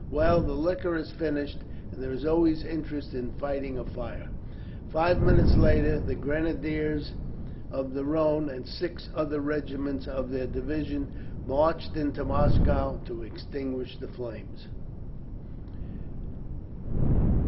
Well, the liquor is finished, and there is always interest in fighting a fire." Five minutes later, the Grenadiers of the Rhone and six other regiments of their division marched into Moscow to extinguish the flames.